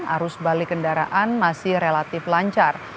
arus balik kendaraan masih relatif lancar